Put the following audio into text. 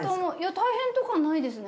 大変とかないですね。